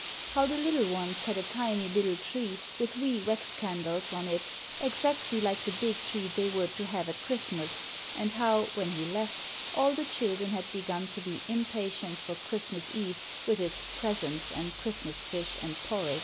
How the little ones had a tiny little tree with wee wax candles on it exactly like the big tree they were to have at Christmas, and how, when he left, all the children had begun to be impatient for Christmas Eve, with its presents and Christmas fish and porridge.